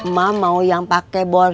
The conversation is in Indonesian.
ma mau yang pake bordir